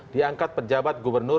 diangkat pejabat gubernur